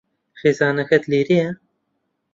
خێزانەکەت لێرەیە.